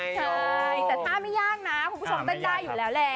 มีแต่ถ้าไม่ยากนะคุณผู้ชมน่ารักนะครับ